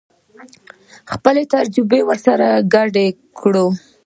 خپله تجربه ورسره ګډه کړو.